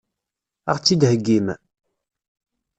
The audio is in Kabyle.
Ad ɣ-tt-id-heggim?